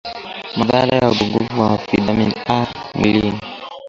Madhara ya upungufu wa vitamini A mwilini